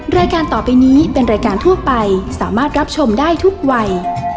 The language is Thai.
รายการต่อไปนี้เป็นรายการทั่วไปสามารถรับชมได้ทุกวัย